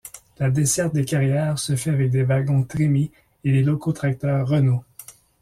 La desserte des carrières se fait avec des wagons trémies et des locotracteurs Renault.